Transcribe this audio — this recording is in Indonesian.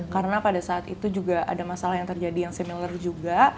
karena pada saat itu juga ada masalah yang terjadi yang similar juga